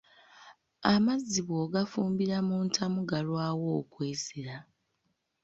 Amazzi bw'ogafumbira mu ntamu galwawo okwesera.